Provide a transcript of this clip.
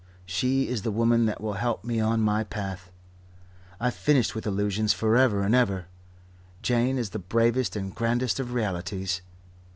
She is the woman that will help me on my path. I've finished with illusions for ever and ever. Jane is the bravest and grandest of realities.